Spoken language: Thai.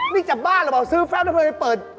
นี่จับบ้านหรือเปล่าซื้อแป๊บแล้วไปเปิด